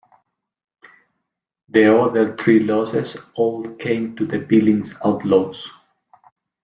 The other three losses all came to the Billings Outlaws.